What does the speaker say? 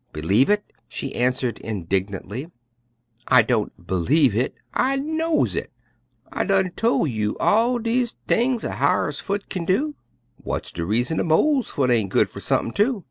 "B'lieve hit!" she answered indignantly; "I don' b'lieve hit, I knows hit. I done tol' you all de things a hyar's foot kin do; w'ats de reason a mole's foot ain' good fer sump'n, too?